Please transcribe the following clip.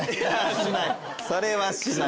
それはしない。